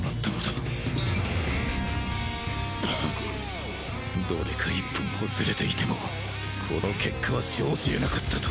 ごふっどれか１本ほつれていてもこの結果は生じ得なかったと！